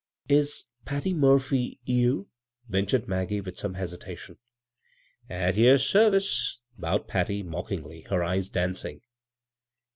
" Is Patty Murphy — you ?" ventured Mag gie, with some hesitation. " At yer service I " bowed Patly, mock ingly, her eyes dancing.